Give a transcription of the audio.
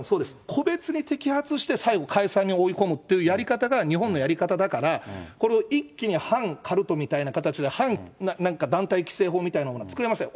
個別に摘発して、最後、解散に追い込むっていうやり方が日本のやり方だから、これを一気に反カルトみたいな形で反なんか団体規制法みたいなものは作れません。